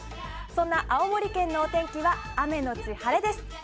そんな青森県のお天気は雨のち晴れです。